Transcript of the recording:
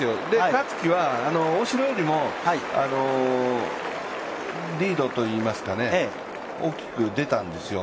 香月は大城よりもリードといいますか、大きく出たんですよ。